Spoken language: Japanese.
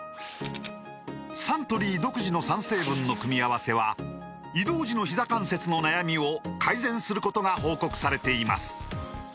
サントリー独自の３成分の組み合わせは移動時のひざ関節の悩みを改善することが報告されています